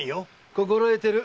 心得ている。